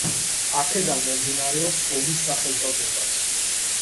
აქედან მომდინარეობს ომის სახელწოდებაც.